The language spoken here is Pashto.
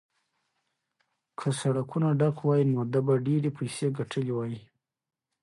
که سړکونه ډک وای نو ده به ډېرې پیسې ګټلې وای.